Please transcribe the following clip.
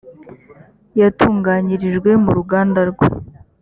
yatunganyirijwe mu ruganda rwe